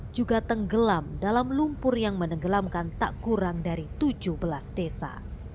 juga tenggelam dalam lumpur yang menenggelamkan tak kurang dari tujuh belas desa